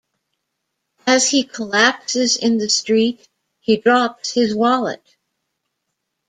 As he collapses in the street, he drops his wallet.